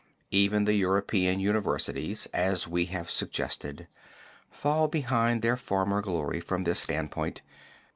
Even the European universities, as we have suggested, fall behind their former glory from this standpoint.